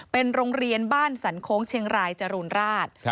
เป็นโรงเรียนบ้านสันโค้งเชียงรายจรูนราช